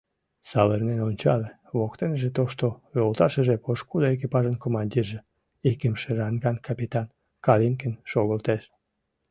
Савырнен ончале — воктеныже тошто йолташыже, пошкудо экипажын командирже, икымше ранган капитан Калинкин шогылтеш.